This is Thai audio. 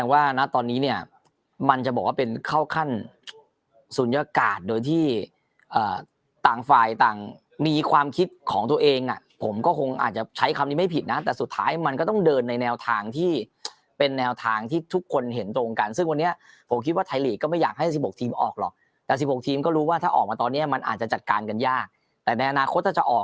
ว่านะตอนนี้เนี่ยมันจะบอกว่าเป็นเข้าขั้นศูนยากาศโดยที่ต่างฝ่ายต่างมีความคิดของตัวเองผมก็คงอาจจะใช้คำนี้ไม่ผิดนะแต่สุดท้ายมันก็ต้องเดินในแนวทางที่เป็นแนวทางที่ทุกคนเห็นตรงกันซึ่งวันนี้ผมคิดว่าไทยลีกก็ไม่อยากให้๑๖ทีมออกหรอกแต่๑๖ทีมก็รู้ว่าถ้าออกมาตอนนี้มันอาจจะจัดการกันยากแต่ในอนาคตถ้าจะออก